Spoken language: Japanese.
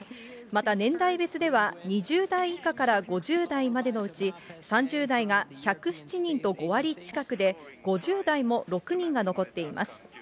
また年代別では、２０代以下から５０代までのうち、３０代が１０７人と５割近くで、５０代も６人が残っています。